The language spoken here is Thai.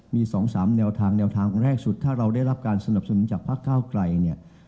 มี๒๓แนวทางแนวทางแรกสุดถ้าเราได้รับการสนับสนุนจากภาคเก้าไกลเนี่ย